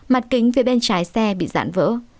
mặt kính phía bên trái xe bị giãn vỡ